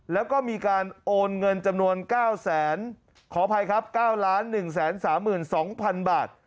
แล้วก็มีการโอนเงินจำนวน๙ล้าน๑๓๒๐๐๐บาท